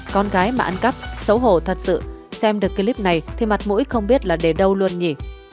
con gái mà ăn cắp xấu hổ thật sự xem được clip này thì mặt mũi không biết là đến đâu luôn nhỉ